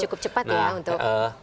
cukup cepat ya untuk